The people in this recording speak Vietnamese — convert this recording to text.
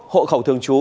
hộ khẩu thương chú